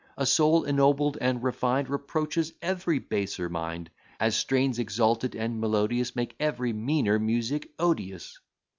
A soul ennobled and refined Reproaches every baser mind: As strains exalted and melodious Make every meaner music odious."